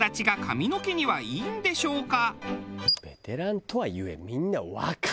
ベテランとはいえ。